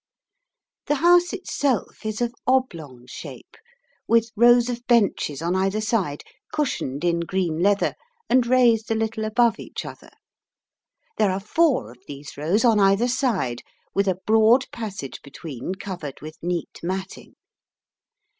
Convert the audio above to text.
The House itself is of oblong shape, with rows of benches on either side, cushioned in green leather and raised a little above each other. There are four of these rows on either side, with a broad passage between covered with neat matting.